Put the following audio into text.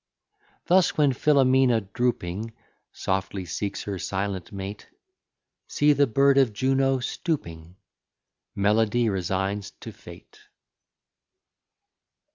Thus when Philomela drooping Softly seeks her silent mate, See the bird of Juno stooping; Melody resigns to fate.